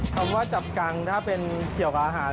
คำว่าจับกังถ้าเป็นเกี่ยวกับอาหาร